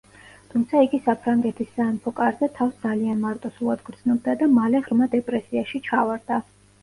თუმცა იგი საფრანგეთის სამეფო კარზე თავს ძალიან მარტოსულად გრძნობდა და მალე ღრმა დეპრესიაში ჩავარდა.